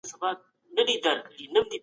ولي ډیپلوماټان معافیت لري؟